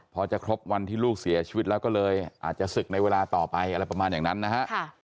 พอจะครบวันที่ลูกเสียชีวิตแล้วก็เลยอาจจะศึกในเวลาต่อไปอะไรประมาณอย่างนั้นนะฮะ